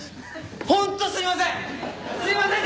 本当すいません！